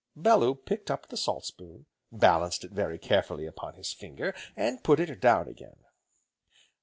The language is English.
Bellew picked up the salt spoon, balanced it very carefully upon his finger, and put it down again.